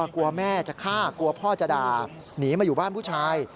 กลัวแม่จะฆ่ากลัวพ่อจะด่าหนีมาอยู่บ้านผู้ชาย